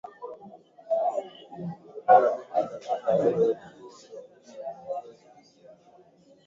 Miji katika pwani ya Somalia ikakodishwa kwa Italia